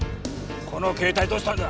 この携帯どうしたんだ？